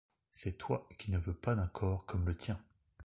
C’est toi qui ne veux pas d’un corps comme le tien.